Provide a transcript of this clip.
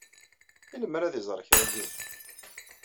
I lemmer ad iẓer kra n yiwen?